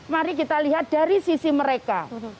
mari kita lihat dari sisi mereka